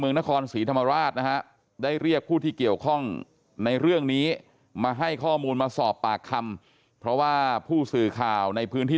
ในเรื่องนี้มาให้ข้อมูลมาสอบปากคำเพราะว่าผู้สื่อข่าวในพื้นที่